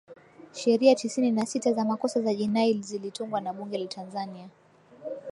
sheria tisini na sita za makosa ya jinai zilitungwa na bunge la tanzania